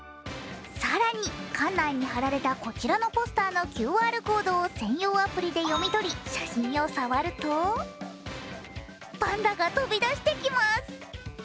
更に館内に貼られたこちらのポスターのＱＲコードを専用アプリで読み取り写真を触るとパンダが飛び出してきます。